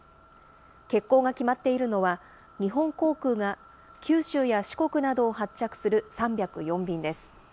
欠航が決まっているのは、日本航空が九州や四国などを発着する３０４便です。